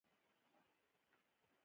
د ډېرو خلکو ویښته میراثي سپینېږي